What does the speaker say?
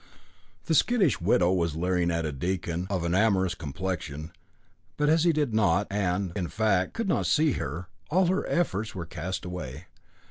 The skittish widow was leering at a deacon of an amorous complexion, but as he did not, and, in fact, could not see her, all her efforts were cast away.